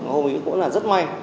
hôm ấy cũng là rất may